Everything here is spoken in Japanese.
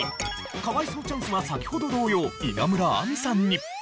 可哀想チャンスは先ほど同様稲村亜美さんに。